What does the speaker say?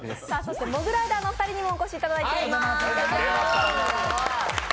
モグライダーのお二人にもお越しいただいています。